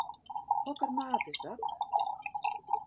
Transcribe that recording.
Hokker maat is dat?